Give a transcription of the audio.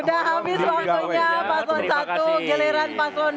sudah habis langsungnya paslon satu geleran paslon dua